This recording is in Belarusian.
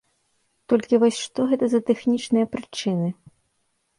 Толькі вось, што гэта за тэхнічныя прычыны?